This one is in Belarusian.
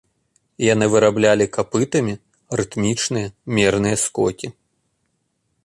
Яны выраблялі капытамі рытмічныя, мерныя скокі.